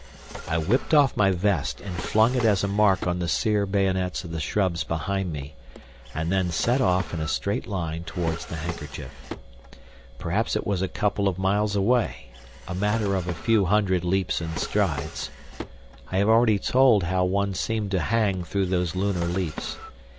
I whipped off my vest and flung it as a mark on the sere bayonets of the shrubs behind me, and then set off in a straight line towards the handkerchief. Perhaps it was a couple of miles away—a matter of a few hundred leaps and strides. I have already told how one seemed to hang through those lunar leaps.